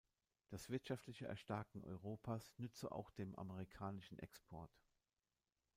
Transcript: Das wirtschaftliche Erstarken Europas nütze auch dem amerikanischen Export.